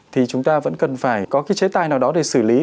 thì chúng ta vẫn cần phải có cái chế tài nào đó để xử lý